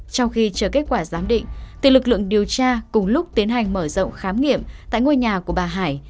trong khi chờ kết quả giám định từ lực lượng điều tra cùng lúc tiến hành mở rộng khám nghiệm tại ngôi nhà của bà hải